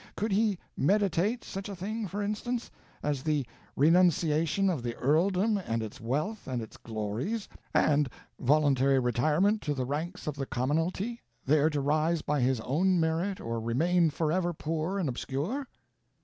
Could he meditate such a thing, for instance, as the renunciation of the earldom and its wealth and its glories, and voluntary retirement to the ranks of the commonalty, there to rise by his own merit or remain forever poor and obscure?"